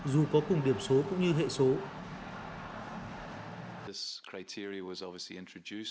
dù có cùng điểm số cũng như hệ số